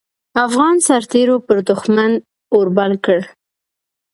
افغان سررتېرو پر دوښمن اور بل کړ.